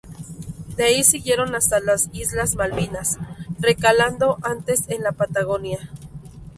De ahí, siguieron hasta las islas Malvinas, recalando antes en la Patagonia.